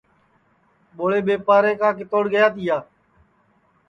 ٻوڑے ٻیپارے کا کِتوڑ گیا تیا